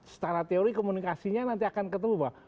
setara teori komunikasinya nanti akan ketemu bahwa